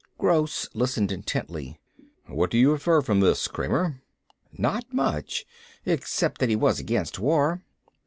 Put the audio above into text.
Gross listened intently. "What do you infer from this, Kramer?" "Not much. Except that he was against war."